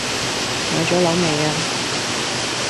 買左樓未呀